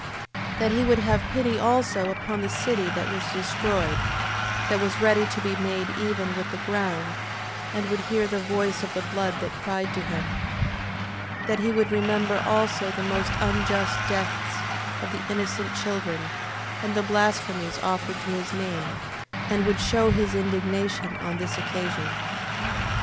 That he would have pity also upon the city that was destroyed, that was ready to be made even with the ground, and would hear the voice of the blood that cried to him: 8:4. That he would remember also the most unjust deaths of innocent children, and the blasphemies offered to his name, and would shew his indignation on this occasion. 8:5.